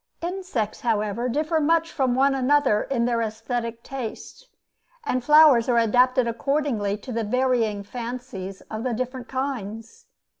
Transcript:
Insects, however, differ much from one another in their aesthetic tastes, and flowers are adapted accordingly to the varying fancies of the different kinds.